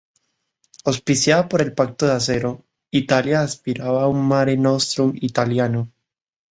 Auspiciada en el Pacto de Acero, Italia aspiraba a un Mare Nostrum Italiano.